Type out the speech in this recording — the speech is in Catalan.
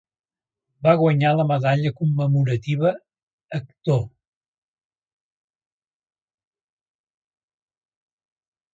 Va guanyar la Medalla Commemorativa Hector.